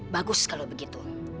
bagus kalau begitu